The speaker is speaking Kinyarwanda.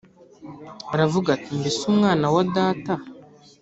Aravuga ati “Mbese mwana wa data